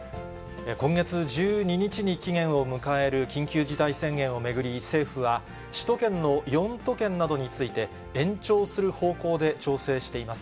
今月１２日に期限を迎える緊急事態宣言を巡り、政府は、首都圏の４都県などについて、延長する方向で調整しています。